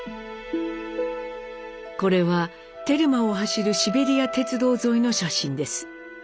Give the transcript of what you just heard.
これはテルマを走るシベリア鉄道沿いの写真です。